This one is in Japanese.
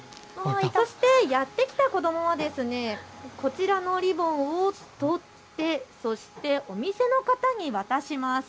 そしてやってきた子どもはこちらのリボンを取ってお店の方に渡します。